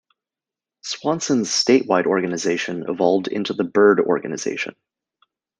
Swanson's statewide organization evolved into the Byrd Organization.